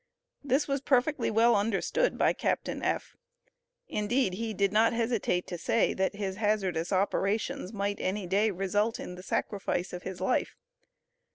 This was perfectly well understood by Captain F.; indeed he did not hesitate to say, that his hazardous operations might any day result in the "sacrifice" of his life.